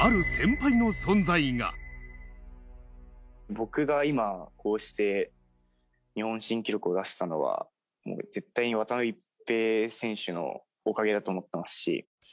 僕が今、こうして日本新記録を出せたのは、もう絶対に渡辺一平選手のおかげだと思ってますし。